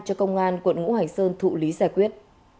cho công an quận ngũ hành sơn thụ lý giải quyết